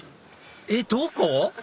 えっどこ？